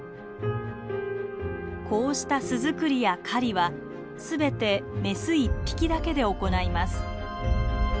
こうした巣作りや狩りは全てメス一匹だけで行います。